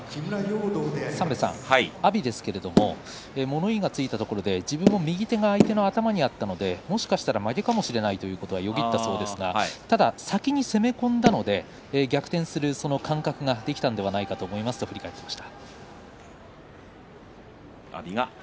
阿炎ですが物言いがついたところで自分の右手が頭にあったのでもしかしたら負けかもしれないとよぎったんですが先に攻め込んだので逆転する感覚ができたのではないかと話していました。